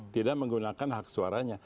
tidak menggunakan hak suaranya